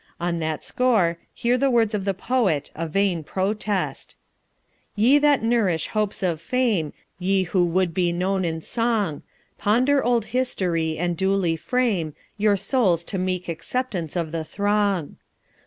On that score, hear the words of the poet, a vain protest: Ye that nourish hopes of fame! Ye who would be known in song! Ponder old history, and duly frame Your souls to meek acceptance of the thong.